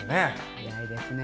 早いですね。